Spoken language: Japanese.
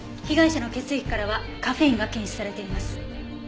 被害者の血液からはカフェインが検出されています。